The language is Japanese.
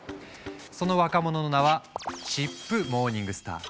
その若者の名はチップ・モーニングスター。